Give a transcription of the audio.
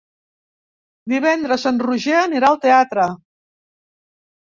Divendres en Roger anirà al teatre.